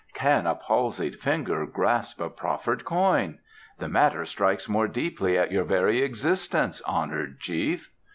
"Can a palsied finger grasp a proffered coin? The matter strikes more deeply at your very existence, honoured chief."